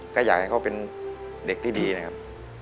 ก็อยากให้เขาเป็นเด็กที่ดีนะครับ